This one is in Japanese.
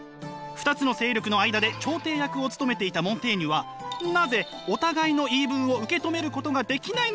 ２つの勢力の間で調停役を務めていたモンテーニュは「なぜお互いの言い分を受け止めることができないのか」と考えました。